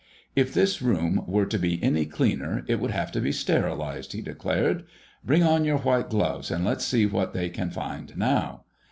"If this room were to be any cleaner, it would have to be sterilized," he declared. "Bring on your white gloves, and let's see what they can find now.